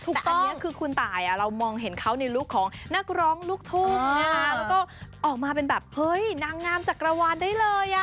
ตอนนี้คือคุณตายเรามองเห็นเขาในลุคของนักร้องลูกทุ่งนะคะแล้วก็ออกมาเป็นแบบเฮ้ยนางงามจักรวาลได้เลย